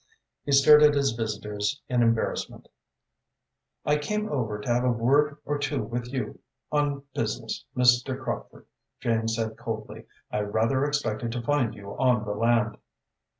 He stared at his visitors in embarrassment. "I came over to have a word or two with you on business, Mr. Crockford," Jane said coldly. "I rather expected to find you on the land."